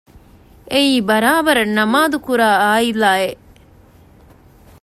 އެއީ ބަރާބަރަށް ނަމާދުކުރާ ޢާއިލާއެއް